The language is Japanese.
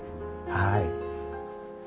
はい。